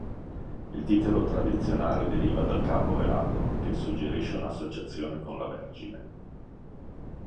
Il titolo tradizionale deriva dal capo velato, che suggerisce un'associazione con la Vergine.